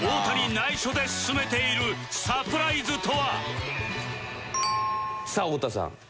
内緒で進めているサプライズとは？